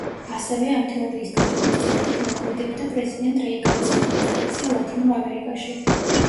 ასევე, ამ თეორიის გათვალისწინებით მოქმედებდა პრეზიდენტ რეიგანის ადმინისტრაცია ლათინურ ამერიკაში.